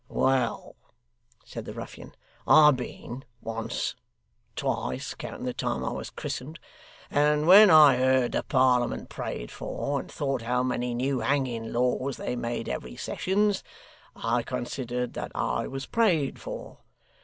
'Well,' said the ruffian, 'I've been once twice, counting the time I was christened and when I heard the Parliament prayed for, and thought how many new hanging laws they made every sessions, I considered that I was prayed for.